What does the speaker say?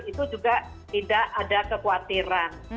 itu juga tidak ada kekhawatiran